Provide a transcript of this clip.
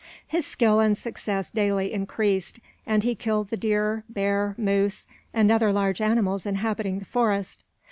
His skill and success daily increased, and he killed the deer, bear, moose, and other large animals inhabiting the forest.